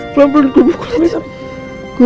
pelan pelan gue bakal kulit